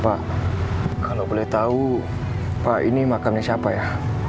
pak kalau boleh tahu pak ini makamnya siapa ya